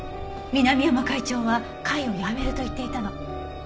南山会長は会を辞めると言っていたの。